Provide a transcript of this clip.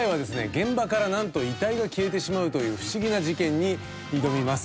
現場からなんと遺体が消えてしまうという不思議な事件に挑みます。